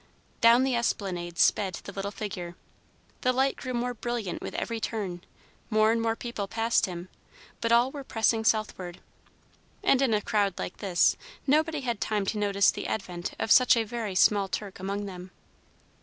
Down the esplanade sped the little figure. The light grew more brilliant with every turn; more and more people passed him, but all were pressing southward. And in a crowd like this, nobody had time to notice the advent of such a very small Turk among them.